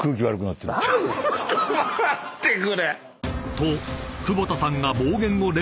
［と］